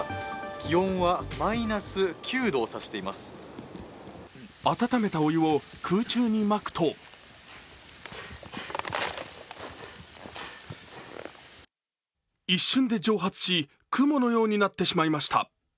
気温はマイナス９度を指しています温めたお湯を空中にまくと一瞬で蒸発し雲のようになってしまいました。